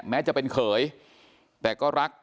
แม้จะเป็นเขยแต่ก็รัก